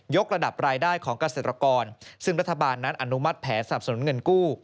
กระดับรายได้ของเกษตรกรซึ่งรัฐบาลนั้นอนุมัติแผนสับสนุนเงินกู้